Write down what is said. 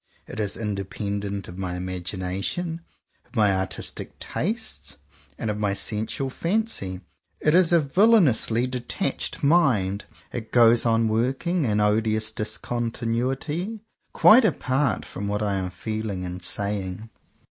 It is independent of my imagination, of my artistic tastes, and of my sensual fancy. It is a villainously detached mind. 162 JOHN COWPER POWYS It goes on working in odious discontinuity quite apart from what I am feeling and saying.